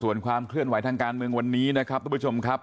ส่วนความเคลื่อนไหวทางการเมืองวันนี้นะครับทุกผู้ชมครับ